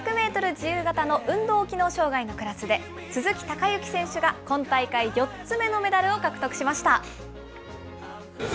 自由形の運動機能障害のクラスで、鈴木孝幸選手が、今大会４つ目のメダルを獲得しました。